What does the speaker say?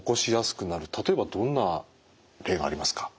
例えばどんな例がありますか？